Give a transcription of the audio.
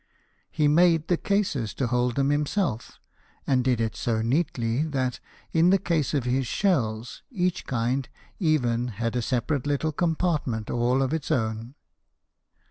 He made the cases to hold them himself, and did it so neatly that, in the case of his shells, each kind had even a separate little compartment all of its own.